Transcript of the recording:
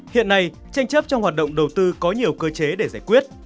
hiện nay tranh chấp trong hoạt động đầu tư có nhiều cơ chế để giải quyết